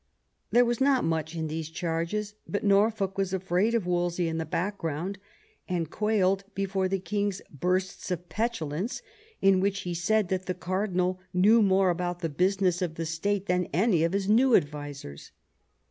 There was not much in these charges ; but Norfolk was afraid of Wolsey in the background, and quailed before the king's bursts of petulance, in which he said that the cardinal knew more about the business of the State than any of his new advisers.